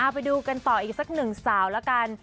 ไปดูกันต่ออีกสักหนึ่งสาวแล้วกัน